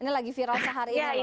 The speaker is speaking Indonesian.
ini lagi viral sehari hari